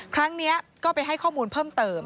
ครั้งนี้ก็ไปให้ข้อมูลเพิ่มเติม